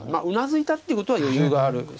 うなずいたっていうことは余裕がある。